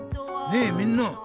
ねえみんな。